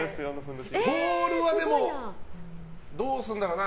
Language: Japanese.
ポールはどうするんだろうな。